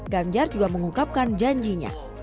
ganjar juga mengungkapkan janjinya